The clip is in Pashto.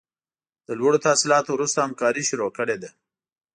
له لوړو تحصیلاتو وروسته همکاري شروع کړې ده.